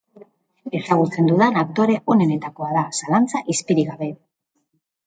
Ezagutzen dudan aktore onenetakoa da, zalantza izpirik gabe.